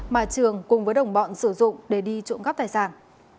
mà trường cùng với đồng bọn sử dụng để đi trộm cắp tài sản